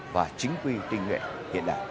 và kinh nguyện hiện đại